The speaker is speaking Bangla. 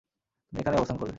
তুমি এখানেই অবস্থান করবে।